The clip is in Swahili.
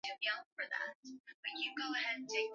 kituo cha redio ulichounda kinapatikana kwa watumiaji wote